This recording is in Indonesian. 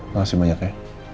makasih banyak ya